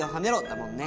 だもんね。